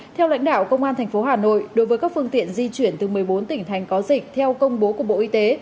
theo lãnh đạo công an tp hà nội đối với các phương tiện di chuyển từ một mươi bốn tỉnh thành có dịch theo công bố của bộ y tế